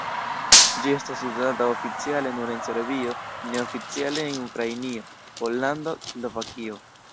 Ĝi estas uzata oficiale nur en Serbio, neoficiale en Ukrainio, Pollando, Slovakio.